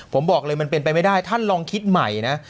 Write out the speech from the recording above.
ผมบอกเลยมันเป็นไปไม่ได้ท่านลองคิดใหม่นะ